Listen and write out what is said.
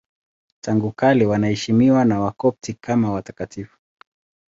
Tangu kale wanaheshimiwa na Wakopti kama watakatifu.